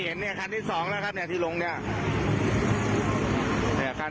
เห็นเนี่ยคันที่สองแล้วครับเนี่ยที่ลงเนี่ยคัน